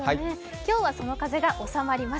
今日はその風が収まります。